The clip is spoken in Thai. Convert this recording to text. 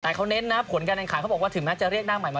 แต่เขาเน้นนะผลการแข่งขันเขาบอกว่าถึงแม้จะเรียกหน้าใหม่มา